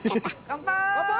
乾杯！